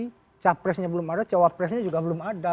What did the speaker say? tapi capresnya belum ada cawapresnya juga belum ada